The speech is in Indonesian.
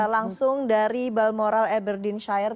langsung dari balmoral aberdeenshire